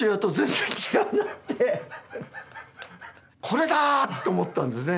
「これだ！」って思ったんですね。